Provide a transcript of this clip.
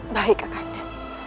baik kakak anda